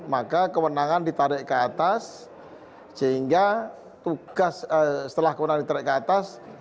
maka kewenangan ditarik ke atas sehingga tugas setelah kewenangan ditarik ke atas